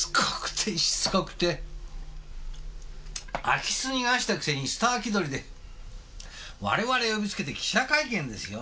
空き巣逃がしたくせにスター気取りで我々呼びつけて記者会見ですよ？